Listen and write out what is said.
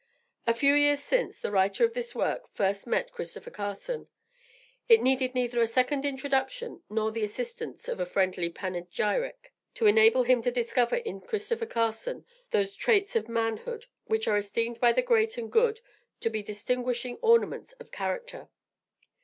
A few years since, the writer of this work first met Christopher Carson. It needed neither a second introduction, nor the assistance of a friendly panegyric, to enable him to discover in Christopher Carson those traits of manhood, which are esteemed by the great and good to be distinguishing ornaments of character.